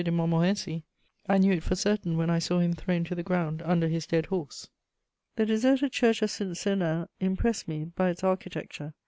de Montmorency; I knew it for certain when I saw him thrown to the ground under his dead horse." The deserted Church of St. Sernin impressed me by its architecture.